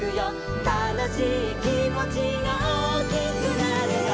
「たのしいきもちがおおきくなるよ」